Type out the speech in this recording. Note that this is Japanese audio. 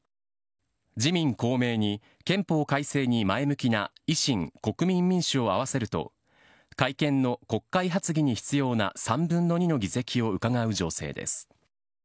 自民、公明に、憲法改正に前向きな維新、国民民主を合わせると、改憲の国会発議に必要な３分の２の議席をうかがう情勢です。